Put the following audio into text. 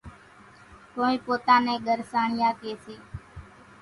ڪونئين پوتا نين ڳرسانڻِيا ڪيَ سي۔